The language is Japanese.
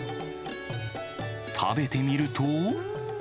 食べてみると。